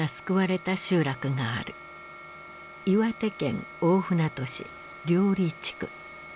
岩手県大船渡市綾里地区。